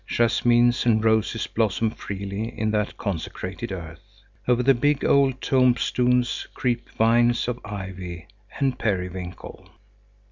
Jasmines and roses blossom freely in that consecrated earth. Over the big old tombstones creep vines of ivy and periwinkle.